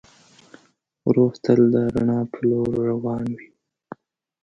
روح تل د رڼا په لور روان وي.